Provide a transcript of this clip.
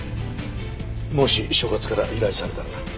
もし所轄から依頼されたらな。